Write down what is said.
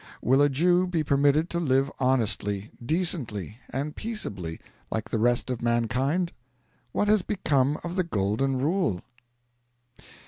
Will a Jew be permitted to live honestly, decently, and peaceably like the rest of mankind? What has become of the Golden Rule?'